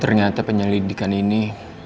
ternyata penyelidikan ini